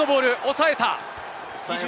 抑えた。